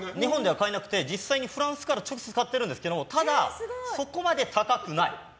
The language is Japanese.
実際にフランスから直接買ってるんですけどただ、そこまで高くない。